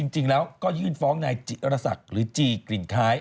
จริงแล้วก็ยื่นฟ้องในจิกรินคาย